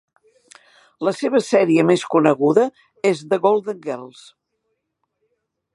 La seva sèrie més coneguda és "The Golden Girls".